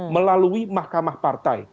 melalui mahkamah partai